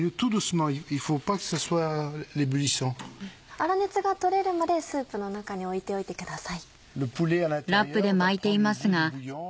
粗熱が取れるまでスープの中に置いておいてください。